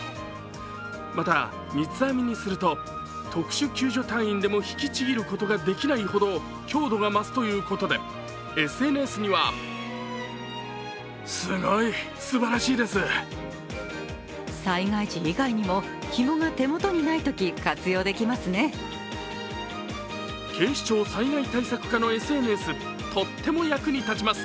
また、三つ編みにすると特殊救助隊員でも引きちぎることができないほど強度が増すということで、ＳＮＳには警視庁災害対策課のＳＮＳ、とっても役に立ちます。